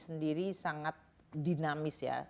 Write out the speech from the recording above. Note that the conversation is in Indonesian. sendiri sangat dinamis ya